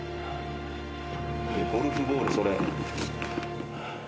ゴルフボールそれ。